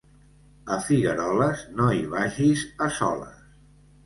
A Figueroles, no hi vagis a soles.